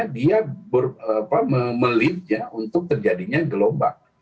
dia melitnya untuk terjadinya gelombang